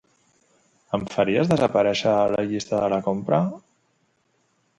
Em faries desaparèixer la llista de la compra?